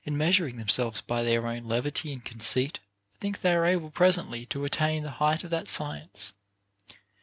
measuring themselves by their own levity and conceit, think they are able presently to attain the height of that science.